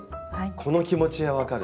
この気持ちは分かる。